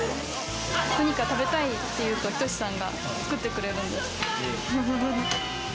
何が食べたいっていうと斎さんが作ってくれるんです。